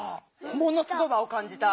ものすごく和を感じた。